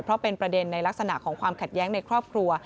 เพราะเป็นประเด็นในลักษณะของความขัดแย้งในครอบครัว